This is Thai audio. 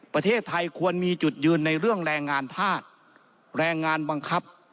ประเทศไทยควรมีจุดยืนในเรื่องแรงงานธาตุแรงงานบังคับ